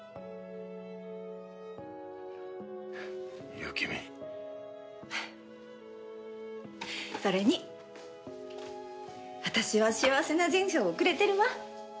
それに私は幸せな人生を送れてるわ！